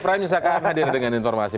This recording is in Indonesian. prime saka anadyan dengan informasi